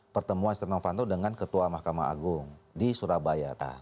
pertemuan stenovanto dengan ketua mahkamah agung di surabaya